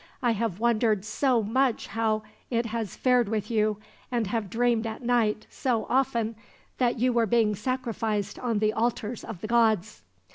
I have wondered so much how it has fared with you, and have dreamed at night, so often, that you were being sacrificed on the altars of the gods."